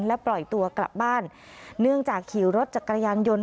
และปล่อยตัวกลับบ้านเนื่องจากขี่รถจักรยานยนต์